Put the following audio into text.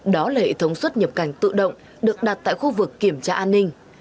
đó là hệ thống xuất nhập cảnh tự động được đặt tại khu vực kiểm tra an ninh